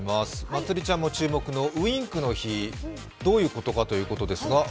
まつりちゃんも注目のウインクの日、どういうことかということですが。